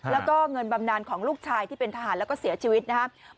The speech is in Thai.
แล้วก็เงินบำนานของลูกชายที่เป็นทหารแล้วก็เสียชีวิตนะครับ